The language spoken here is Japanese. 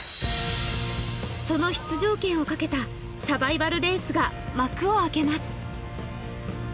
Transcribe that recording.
その出場権をかけたサバイバルレースが幕を開けます。